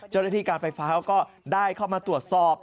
เจ้าหน้าที่การไฟฟ้าก็ได้เข้ามาตรวจสอบ